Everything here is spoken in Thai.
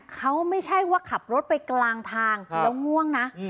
เขาไม่ใช่ว่าขับรถไปกลางทางแล้วง่วงนะ